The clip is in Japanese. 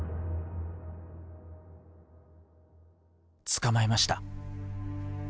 捕まえました。